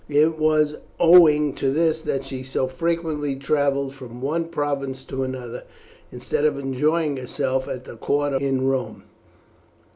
It was owing to this that she so frequently travelled from one province to another, instead of enjoying herself at the court in Rome.